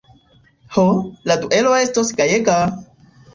Ho, la duelo estos gajega!